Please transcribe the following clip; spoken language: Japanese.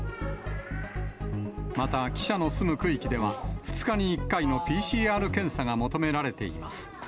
また、記者の住む区域では、２日に１回のＰＣＲ検査が求められています。